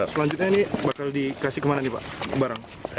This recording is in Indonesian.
selanjutnya ini bakal dikasih kemana nih pak barang